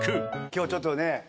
今日ちょっとね。